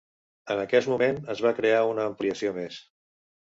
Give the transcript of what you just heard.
En aquest moment es va crear una ampliació més.